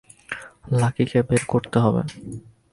লাকিকে বের করতে হবে।